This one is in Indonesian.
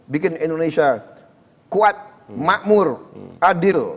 bikin indonesia kuat makmur adil